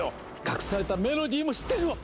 隠されたメロディーも知ってるわ！